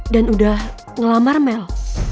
dan udah ngelamar mel